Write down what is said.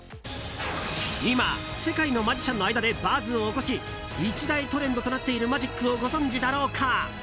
今、世界のマジシャンの間でバズを起こし一大トレンドとなっているマジックをご存じだろうか。